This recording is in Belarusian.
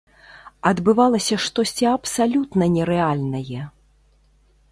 Адбывалася штосьці абсалютна нерэальнае!